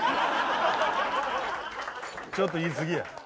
ちょっと言いすぎや。